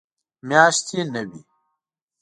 میاشتې نه وي.